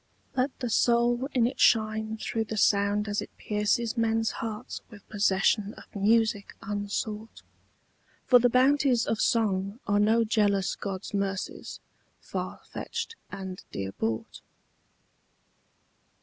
Let the soul in it shine through the sound as it pierces Men's hearts with possession of music unsought; For the bounties of song are no jealous god's mercies, Far fetched and dear bought.